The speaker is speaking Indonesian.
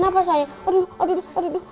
aduh aduh aduh aduh aduh